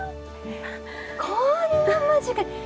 こんな間近に。